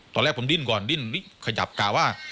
ตอนแรกผมดิ้นก่อนดิ้นขยับกะว่า